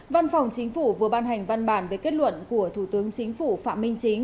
văn phòng chính phủ vừa ban hành văn bản về kết luận của thủ tướng chính phủ phạm minh chính